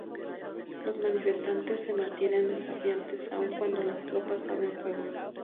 Los manifestantes se mantienen desafiantes aun cuando las tropas abren fuego.